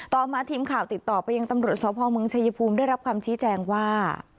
ต่อมาทีมข่าวติดต่อไปยังตำรวจสพเมืองชายภูมิได้รับคำชี้แจงว่า